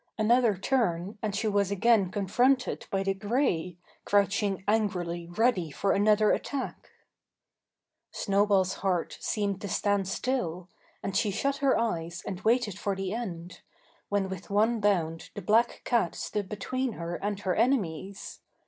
Another turn, and she was again confronted by the grey, crouching angrily ready for another attack. Snowball's heart seemed to stand still, and she shut her eyes and waited for the end, when with one bound the black cat stood between her and her enemies.